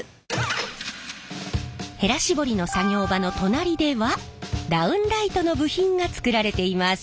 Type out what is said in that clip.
へら絞りの作業場の隣ではダウンライトの部品が作られています。